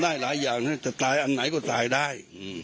หลายอย่างนะจะตายอันไหนก็ตายได้